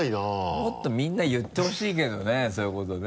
もっとみんな言ってほしいけどねそういうことね。